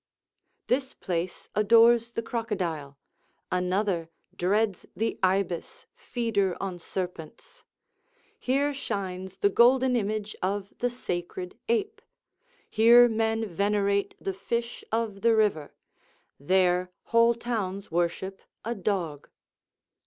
["This place adores the crocodile; another dreads the ibis, feeder on serpents; here shines the golden image of the sacred ape; here men venerate the fish of the river; there whole towns worship a dog."